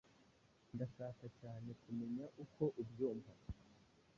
Ndashaka cyane kumenya uko ubyumva.